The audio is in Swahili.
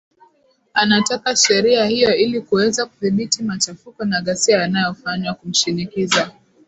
anataka sheria hiyo ili kuweza kudhibiti machafuko na ghasia yanayofanywa kumshinikiza